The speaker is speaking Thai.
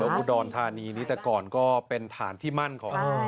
อุดรธานีนี้แต่ก่อนก็เป็นฐานที่มั่นของ